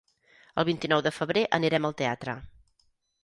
El vint-i-nou de febrer anirem al teatre.